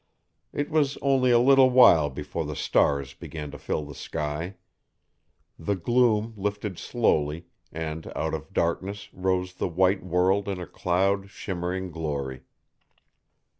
It was only a little while before the stars began to fill the sky. The gloom lifted slowly, and out of darkness rose the white world in a cold, shimmering glory.